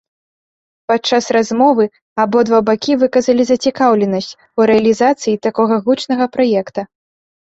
Падчас размовы абодва бакі выказалі зацікаўленасць у рэалізацыі такога гучнага праекта.